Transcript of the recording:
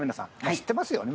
知ってますよね